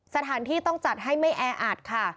สถานที่ต้องจัดให้ไม่แออัดค่ะ